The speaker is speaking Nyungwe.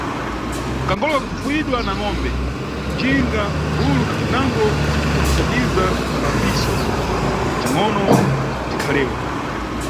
Kangolo ka kupfuwidwa na ngʼombe, njinga, bulu, na bzinango bzakuthandiza bzifambiso bzingʼono bzikhalewa.